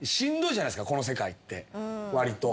この世界ってわりと。